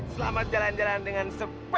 selamat jalan jalan dengan sepeda yang kempes